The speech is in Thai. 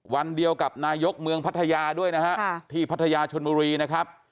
วันเดียวกับนายกเมืองพัทยาด้วยนะฮะที่พัทยาชนบุรีนะครับ